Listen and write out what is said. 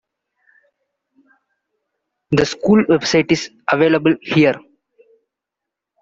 The school website is available here.